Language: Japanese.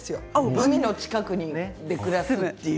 海の近くで暮らすっていう。